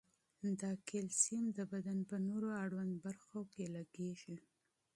دا کلسیم د بدن په نورو اړوندو برخو کې لګیږي.